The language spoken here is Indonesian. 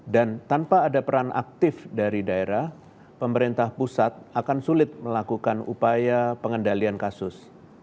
dan tanpa ada peran aktif dari daerah pemerintah pusat akan sulit melakukan upaya pengendalian kasus